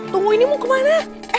tunggu ini mau kemana